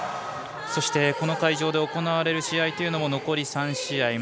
そしてこの会場で行われる試合というのも残り３試合。